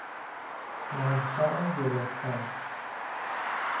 منشاء گرفتن